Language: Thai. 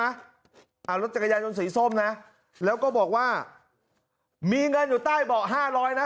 เอารถจักรยานยนต์สีส้มนะแล้วก็บอกว่ามีเงินอยู่ใต้เบาะห้าร้อยนะ